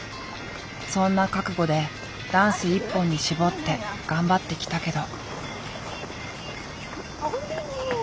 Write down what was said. そんな覚悟でダンス一本に絞って頑張ってきたけど。